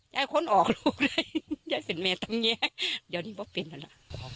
ย้ายค้นออกเลยย้ายศิลป์แมงตำเงี้ยยังนี่มันเป็นแล้วล่ะ